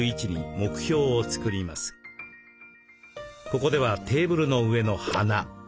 ここではテーブルの上の花。